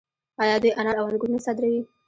آیا دوی انار او انګور نه صادروي؟